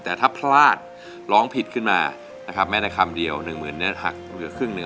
แต่ถ้าพลาดร้องผิดขึ้นมานะครับแม้แต่คำเดียว๑๐๐๐เมตรหักเหลือครึ่งหนึ่ง